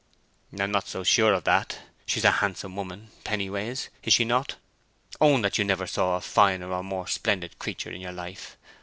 "I'm not so sure of that.... She's a handsome woman, Pennyways, is she not? Own that you never saw a finer or more splendid creature in your life.